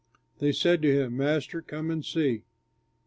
They said to him, "Master, come and see."